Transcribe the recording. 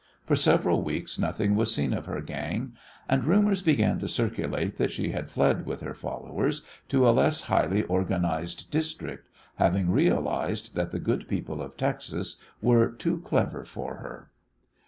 For several weeks nothing was seen of her gang, and rumours began to circulate that she had fled with her followers to a less highly organized district, having realized that the good people of Texas were too clever for her.